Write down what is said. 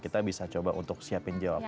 kita bisa coba untuk siapin jawab